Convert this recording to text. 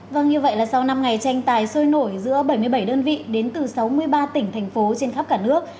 vâng như vậy là sau năm ngày tranh tài sôi nổi giữa bảy mươi bảy đơn vị đến từ sáu mươi ba tỉnh thành phố trên khắp cả nước